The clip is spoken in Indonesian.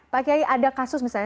pak kiai ada kasus misalnya